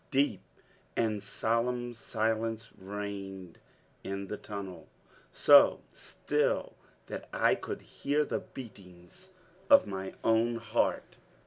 Deep and solemn silence reigned in the tunnel. So still that I could hear the beatings of my own heart!